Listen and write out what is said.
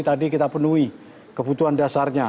tadi kita penuhi kebutuhan dasarnya